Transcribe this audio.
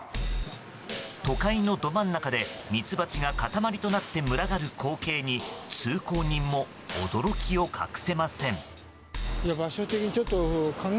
都会のど真ん中でミツバチが塊となって群がる光景に通行人も驚きを隠せません。